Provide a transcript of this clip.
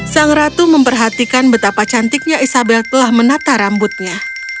sang ratu memperhatikan betapa cantiknya isabel telah menata rambutnya